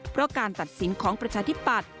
เพราะการตัดสินของประชาธิปัตย